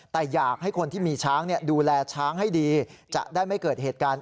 แต่อยากให้คนที่มีช้างดูแลช้างให้ดี